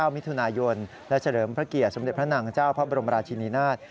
มิถุนายนและเฉลิมพระเกียรติสมเด็จพระนางเจ้าพระบรมราชินินาศ